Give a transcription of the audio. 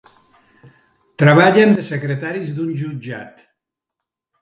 Treballen de secretaris d'un jutjat.